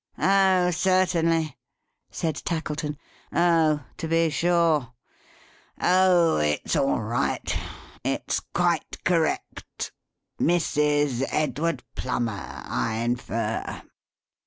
"Oh certainly!" said Tackleton. "Oh to be sure. Oh it's all right. It's quite correct. Mrs. Edward Plummer, I infer?"